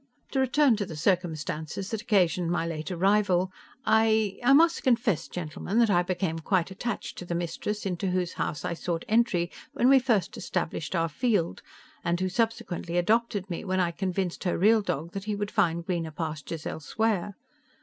"To return to the circumstances that occasioned my late arrival: I ... I must confess, gentlemen, that I became quite attached to the 'mistress' into whose house I sought entry when we first established our field and who subsequently adopted me when I convinced her real dog that he would find greener pastures elsewhere.